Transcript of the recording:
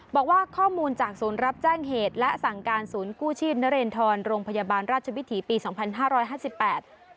บอกว่าข้อมูลจากศูนย์รับแจ้งเหตุและสั่งการศูนย์กู้ชีพนเรนทรโรงพยาบาลราชวิถีปีสองพันห้าร้อยห้าสิบแปด